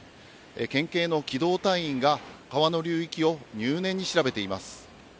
県警の機動隊員が川の流域を入念に調べています。